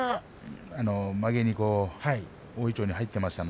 指が大いちょうに入っていましたね。